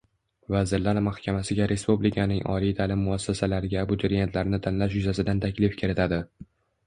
Vazirlar Mahkamasiga respublikaning oliy ta’lim muassasalariga abituriyentlarni tanlash yuzasidan taklif kiritadi